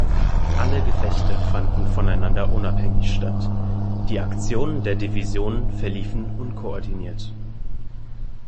Alle Gefechte fanden voneinander unabhängig statt, die Aktionen der Divisionen verliefen unkoordiniert.